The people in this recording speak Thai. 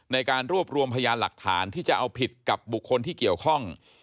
ในการรวบรวมพยานหลักฐานที่จะเอาผิดกับบุคคลที่เกี่ยวข้อง